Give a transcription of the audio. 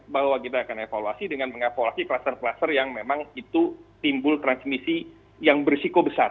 bahwa kita akan evaluasi dengan mengevaluasi kluster kluster yang memang itu timbul transmisi yang berisiko besar